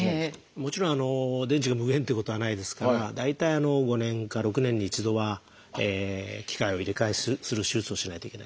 もちろん電池が無限っていうことはないですから大体５年か６年に１度は機械を入れ替えする手術をしないといけない。